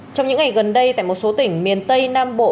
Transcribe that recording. trong những ngày gần đây tại một số tỉnh miền tây nam bộ